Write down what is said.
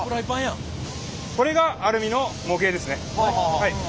これがアルミの模型ですね。